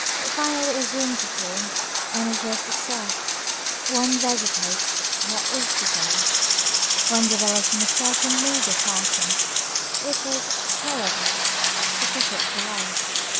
It finally assumes a form, and adjusts itself. One vegetates, that is to say, one develops in a certain meagre fashion, which is, however, sufficient for life.